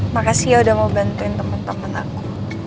makasih ya udah mau bantuin temen temen aku